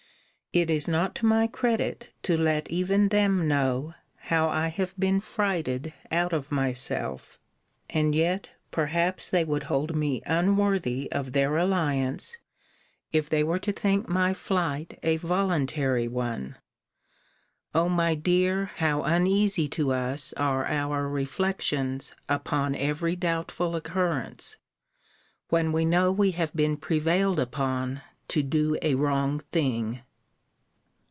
It is not to my credit to let even them know how I have been frighted out of myself: and yet perhaps they would hold me unworthy of their alliance, if they were to think my flight a voluntary one. O my dear, how uneasy to us are our reflections upon every doubtful occurrence, when we know we have been prevailed upon to do a wrong thing!